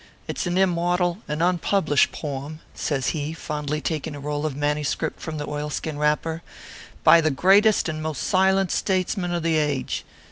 It s an immortal and unpublished poem," says he, fondly taking a roll of manuscript from the oilskin wrapper, " by the greatest and most silent statesman of the age.